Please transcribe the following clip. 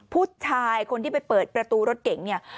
ผู้ชายคนที่ไปเปิดประตูรถเก๋งเนี่ย